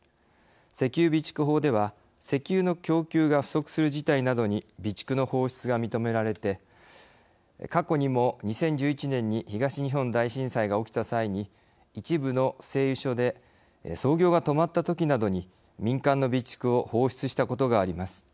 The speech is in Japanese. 石油備蓄法では、石油の供給が不足する事態などに備蓄の放出が認められて過去にも２０１１年に東日本大震災が起きた際に一部の製油所で操業が止まったときなどに民間の備蓄を放出したことがあります。